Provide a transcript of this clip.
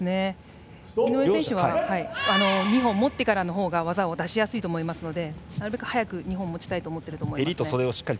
井上選手は２本持ってからのほうが技を出しやすいと思いますのでなるべく早く２本持ちたいと思っていると思います。